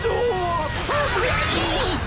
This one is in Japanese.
あぶない。